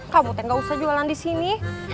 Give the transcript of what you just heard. kamu t gausah jualan disini